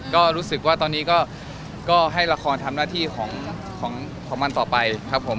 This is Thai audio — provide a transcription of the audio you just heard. ก็รู้สึกว่าตอนนี้ก็ให้ละครทำหน้าที่ของมันต่อไปครับผม